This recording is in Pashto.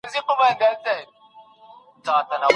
بڼوال په اوږه باندي ګڼ توکي راوړي دي.